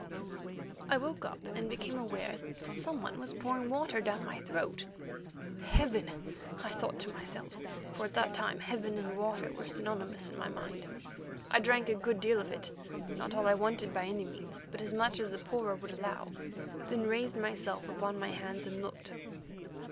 I woke up and became aware that some one was pouring water down my throat. Heaven! I thought to myself, for at that time heaven and water were synonymous in my mind. I drank a good deal of it, not all I wanted by any means, but as much as the pourer would allow, then raised myself upon my hands and looked.